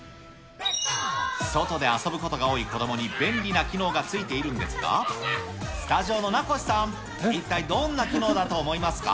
外で遊ぶことが多い子どもに便利な機能がついているんですが、スタジオの名越さん、一体どんな機能だと思いますか。